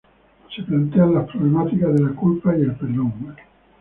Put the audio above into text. Se plantean las problemáticas de la culpa y el perdón.